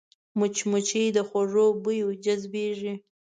مچمچۍ د خوږو بویو جذبېږي